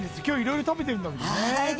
今日いろいろ食べてるのにね！